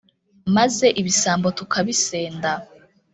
maze ibisambo tukabisenda